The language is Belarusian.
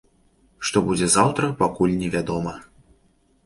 Што будзе заўтра, пакуль невядома.